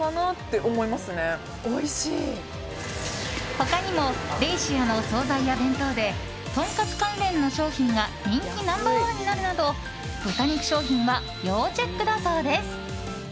他にもベイシアの総菜や弁当でトンカツ関連の商品が人気ナンバー１となるなど豚肉商品は要チェックだそうです。